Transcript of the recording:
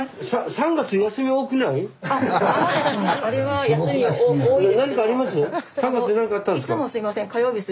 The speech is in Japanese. ３月なんかあったんですか？